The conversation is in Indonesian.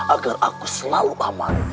agar aku selalu aman